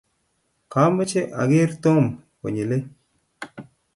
kamoche ager Tom konyilei.